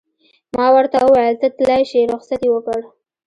ما ورته وویل: ته تلای شې، رخصت یې ورکړ.